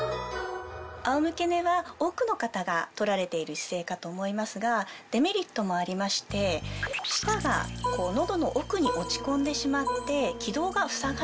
仰向け寝は多くの方が取られている姿勢かと思いますがデメリットもありまして舌が喉の奥に落ち込んでしまって。